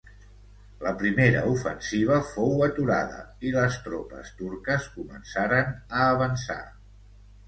La primera ofensiva fou aturada i les tropes turques començaren a avançar.